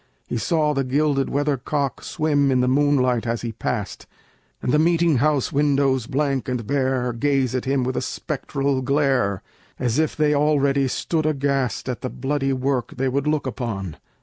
He saw the gilded weathercock Swim in the moonlight as he passed, And the meeting house windows, blank and bare, Gaze at him with a spectral glare, As if they already stood aghast At the bloody work they would look upon.